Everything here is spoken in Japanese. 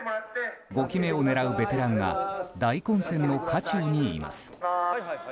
５期目を狙うベテランが大混戦の渦中にいます。